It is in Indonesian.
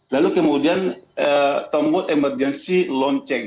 lalu kemudian tombold emergency lonceng